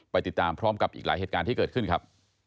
ติดตามพร้อมกับอีกหลายเหตุการณ์ที่เกิดขึ้นครับ